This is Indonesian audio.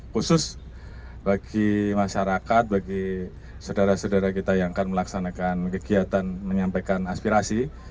khusus bagi masyarakat bagi saudara saudara kita yang akan melaksanakan kegiatan menyampaikan aspirasi